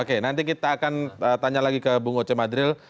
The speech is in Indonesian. oke nanti kita akan tanya lagi ke bung oce madril